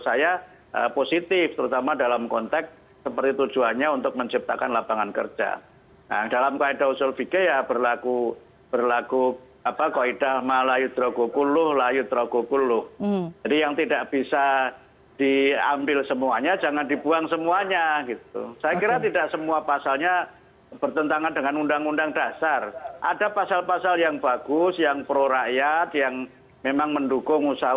selain itu presiden judicial review ke mahkamah konstitusi juga masih menjadi pilihan pp muhammadiyah